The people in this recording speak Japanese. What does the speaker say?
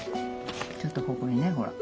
ちょっとここにねほら。